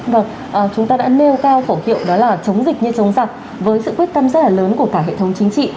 vâng chúng ta đã nêu cao khẩu hiệu đó là chống dịch như chống giặc với sự quyết tâm rất là lớn của cả hệ thống chính trị